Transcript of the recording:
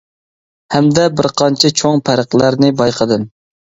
ھەمدە بىر قانچە چوڭ پەرقلەرنى بايقىدىم.